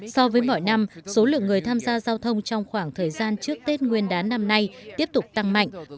so với mọi năm số lượng người tham gia giao thông trong khoảng thời gian trước tết nguyên đán năm nay tiếp tục tăng mạnh